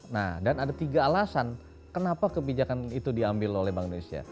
nah dan ada tiga alasan kenapa kebijakan itu diambil oleh bank indonesia